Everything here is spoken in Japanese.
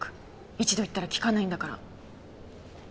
一度言ったら聞かないんだから。